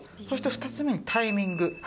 そして２つ目にタイミング。